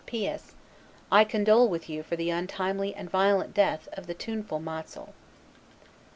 P. S. I condole with you for the untimely and violent death of the tuneful Matzel.